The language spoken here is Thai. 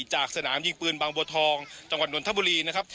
จากสนามยิงปืนบางบัวทองจังหวัดนทบุรีนะครับ